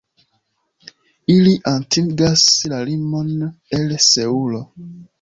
Ili atingas la limon el Seulo.